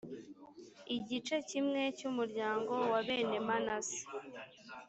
igice kimwe cy’umuryango wa bene manase